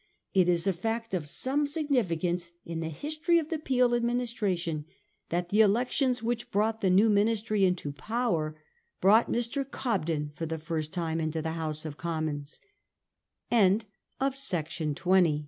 It is a fact of some significance in the history of the Peel admi nistration, that the elections which brought the new Ministry into power brought Mr. Cobden for the first time into the Hous